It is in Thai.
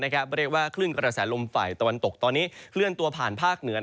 เรียกว่าคลื่นกระแสลมฝ่ายตะวันตกตอนนี้เคลื่อนตัวผ่านภาคเหนือ